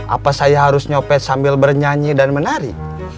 apa saya harus nyopet sambil bernyanyi dan menari